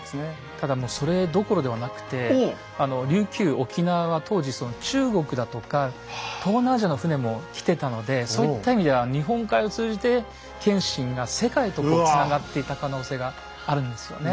ただもうそれどころではなくて琉球沖縄は当時中国だとか東南アジアの船も来てたのでそういった意味では日本海を通じて謙信が世界とつながっていた可能性があるんですよね。